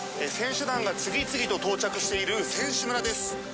選手団が次々と到着している選手村です。